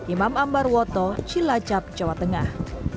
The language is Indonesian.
imam ambar woto jelacap jawa tengah